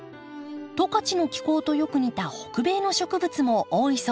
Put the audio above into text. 十勝の気候とよく似た北米の植物も多いそうです。